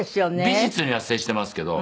美術には接してますけど。